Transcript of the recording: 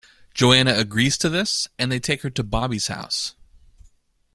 Joanna agrees to this, and they take her to Bobbie's house.